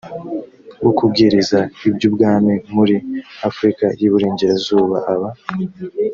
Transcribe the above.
wo kubwiriza iby ubwami muri afurika y iburengerazuba aba